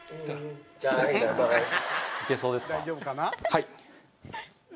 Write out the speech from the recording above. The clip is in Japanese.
はい！